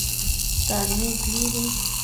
ستا میز لوی دی.